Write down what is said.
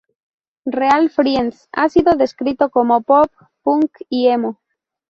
Real Friends ha sido descrito como pop punk y emo.